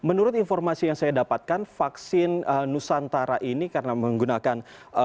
menurut informasi yang saya dapatkan vaksin nusantara ini karena menggunakan